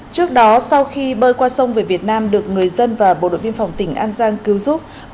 trước đó sau khi bơi qua sông về việt nam được người dân và bộ đội biên phòng tỉnh an giang cứu giúp